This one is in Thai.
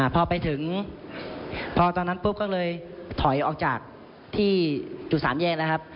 พอไปถึงพอตอนนั้นปุ๊บก็เลยถอยออกจากที่จุดสามแยกแล้วครับ